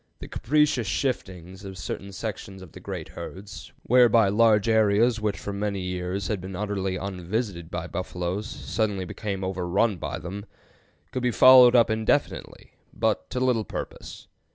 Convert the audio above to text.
The capricious shiftings of certain sections of the great herds, whereby large areas which for many years had been utterly unvisited by buffaloes suddenly became overrun by them, could be followed up indefinitely, but to little purpose.